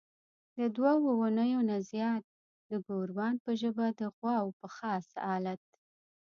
د دوو اونیو نه زیات د ګوروان په ژبه د غواوو په خاص الت.